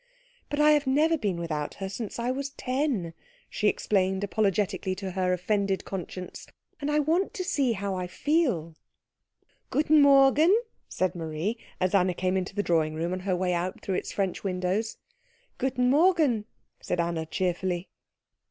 "But I have never been without her since I was ten," she explained apologetically to her offended conscience, "and I want to see how I feel." "Guten Morgen," said Marie, as Anna came into the drawing room on her way out through its French windows. "Guten Morgen," said Anna cheerfully.